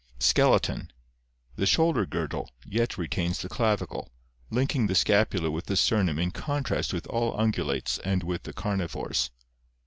Skeleton. — The shoulder girdle yet retains the clavicle, linking the scapula with the sternum in contrast with all ungulates and with the carnivores.